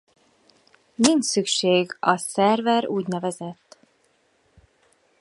Nincs szükség a szerver ú.n.